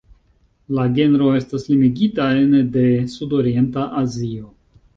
La genro estas limigita ene de Sudorienta Azio.